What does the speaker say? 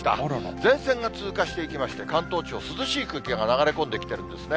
前線が通過していきまして、関東地方、涼しい空気が流れ込んできているんですね。